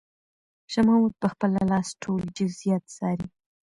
شاه محمود په خپله لاس ټول جزئیات څاري.